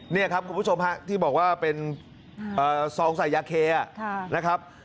นี่ครับคุณผู้ชมฮะที่บอกว่าเป็นซองใส่ยาเคนะครับ